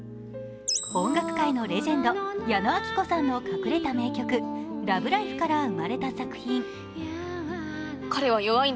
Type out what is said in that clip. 音楽界のレジェンド・矢野顕子さんの隠れた名曲、「ＬＯＶＥＬＩＦＥ」から生まれた作品。